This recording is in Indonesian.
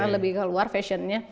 lebih ke luar fashionnya